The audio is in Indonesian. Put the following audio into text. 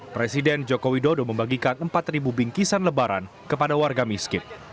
presiden joko widodo membagikan empat bingkisan lebaran kepada warga miskin